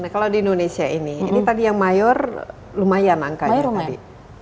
nah kalau di indonesia ini ini tadi yang mayor lumayan angkanya tadi